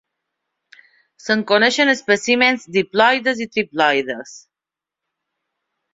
Se'n coneixen espècimens diploides i triploides.